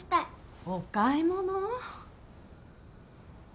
お買い物？